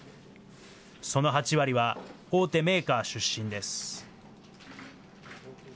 その８割は、大手メーカー出身です。